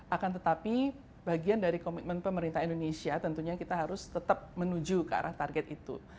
akan tetapi bagian dari komitmen pemerintah indonesia tentunya kita harus tetap menuju ke arah target itu